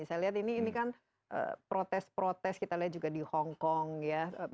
saya lihat ini kan protes protes kita lihat juga di hongkong ya